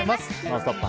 「ノンストップ！」